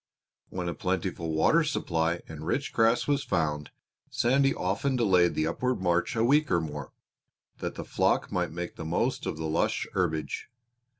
When a plentiful water supply and rich grass was found Sandy often delayed the upward march a week or more, that the flock might make the most of the lush herbage.